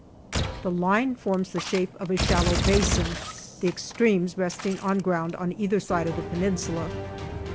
The line forms the shape of a ^_^. the extremes resting on ground on either side of the Peninsula.